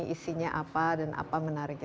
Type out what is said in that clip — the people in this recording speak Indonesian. isinya apa dan apa menariknya